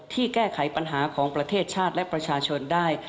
แก้ไขปัญหาของประเทศชาติและประชาชนได้